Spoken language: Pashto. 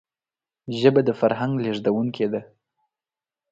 ژبه د فرهنګ لېږدونکی ده